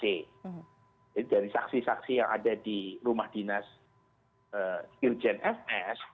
jadi dari saksi saksi yang ada di rumah dinas irjen fs